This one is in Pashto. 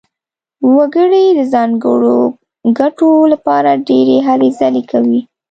وګړي د ځانګړو ګټو لپاره ډېرې هلې ځلې کوي.